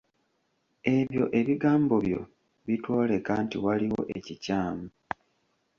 Ebyo ebigambo byo bitwoleka nti waliwo ekikyamu.